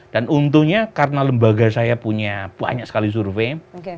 untungnya karena lembaga saya punya banyak sekali survei